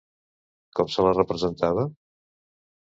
Com se la representava?